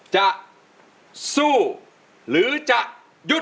จะสู้หรือจะหยุด